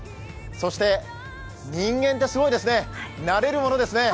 そして人間ってすごいですね、慣れるものですね。